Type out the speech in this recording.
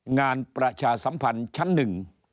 งานประชาสัมพันธ์ชั้นหนึ่ง